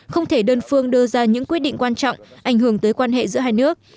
không thể đơn phương đưa ra những quyết định quan trọng ảnh hưởng tới quan hệ giữa hai nước